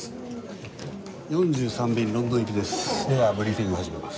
４３便ロンドン行きです。